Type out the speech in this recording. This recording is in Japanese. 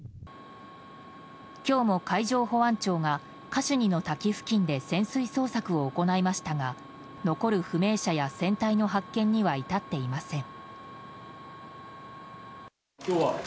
今日も海上保安庁がカシュニの滝付近で潜水捜索を行いましたが残る不明者や船体の発見には至っていません。